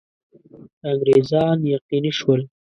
انګرېزان یقیني شول.